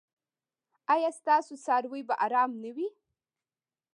ایا ستاسو څاروي به ارام نه وي؟